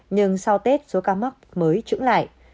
nhưng sau tết số ca mắc mới trưởng lại